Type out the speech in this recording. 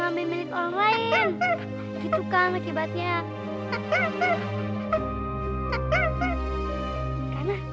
jadi berousre smartie juga membela rima dengan